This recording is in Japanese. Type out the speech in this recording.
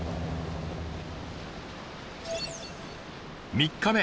３日目。